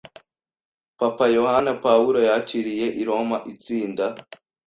Papa Yohani Paulo yakiriye i Roma itsinda